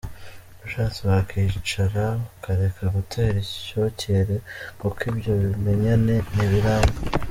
ushatse wakwicara ukareka gutera icyocyere kuko ibyo bimenyane ntibiramba!!.